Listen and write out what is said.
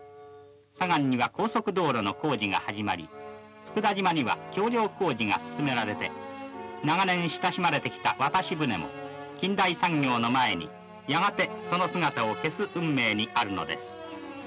左岸には高速道路の工事が始まり佃島には橋りょう工事が進められて長年親しまれてきた渡し舟も近代産業の前にやがてその姿を消す運命にあるのです。